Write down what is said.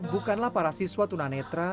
bukanlah para siswa tunanetra